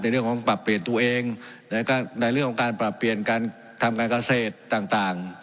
เรื่องของปรับเปลี่ยนตัวเองในเรื่องของการปรับเปลี่ยนการทำการเกษตรต่าง